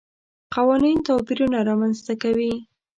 قوانین توپیرونه رامنځته کوي.